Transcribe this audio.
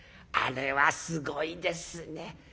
あれはすごいですね。